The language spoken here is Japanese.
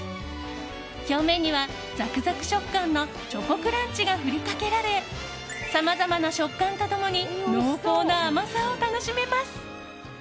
表面にはザクザク食感のチョコクランチが振りかけられさまざまな食感と共に濃厚な甘さを楽しめます。